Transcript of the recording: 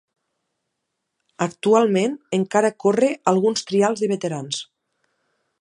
Actualment, encara corre alguns trials de veterans.